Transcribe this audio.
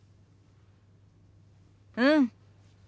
うん。